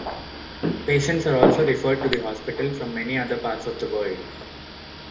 Patients are also referred to the hospital from many other parts of the world.